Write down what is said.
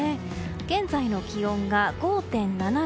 現在の気温が５．７度。